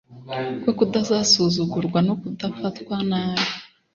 bwo kudasuzugurwa no kudafatwa nabi